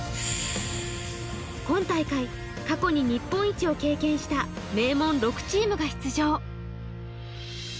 今大会、過去に日本一を経験した名門６チームが出場。